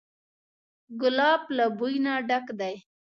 ګلاب له بوی نه ډک دی.